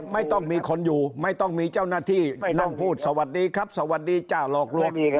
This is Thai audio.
ไม่ต้องมีคนอยู่ไม่ต้องมีเจ้าหน้าที่นั่งพูดสวัสดีครับสวัสดีจ้าหลอกลวง